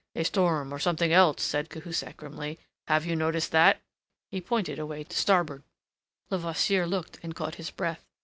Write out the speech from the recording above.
"A storm or something else," said Cahusac grimly. "Have you noticed that?" He pointed away to starboard. Levasseur looked, and caught his breath.